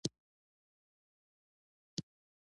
ازادي راډیو د د مخابراتو پرمختګ حالت ته رسېدلي پام کړی.